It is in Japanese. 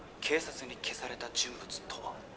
警察に消された人物とは？